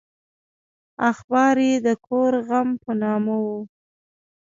اخبار یې د کور غم په نامه و.